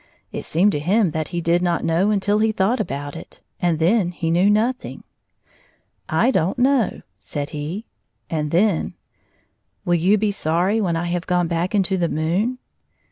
It seemed to him that he did know until he thought about it, and then he knew nothing. " I don't know," said he, and then — "Will you be sorry when I have gone back into the moon